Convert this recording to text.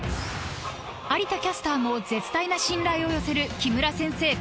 ［有田キャスターも絶大な信頼を寄せる木村先生